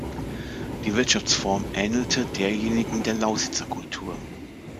Die Wirtschaftsform ähnelte derjenigen der Lausitzer Kultur.